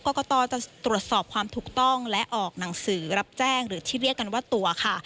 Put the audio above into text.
กรกตจะตรวจสอบความถูกต้องและออกหนังสือรับแจ้งหรือที่เรียกกันว่าตัวค่ะ